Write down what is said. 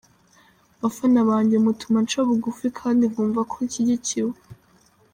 Bafana banjye mutuma nca bugufi kandi nkumva ko nshyigikiwe.